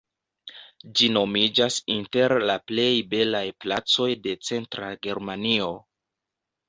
Ĝi nomiĝas inter la plej belaj placoj de Centra Germanio.